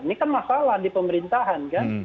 ini kan masalah di pemerintahan kan